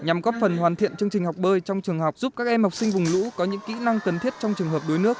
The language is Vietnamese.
nhằm góp phần hoàn thiện chương trình học bơi trong trường học giúp các em học sinh vùng lũ có những kỹ năng cần thiết trong trường hợp đuối nước